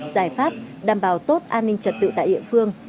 giải pháp đảm bảo tốt an ninh trật tự tại địa phương